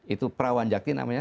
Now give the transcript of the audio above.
itu prawan jakti namanya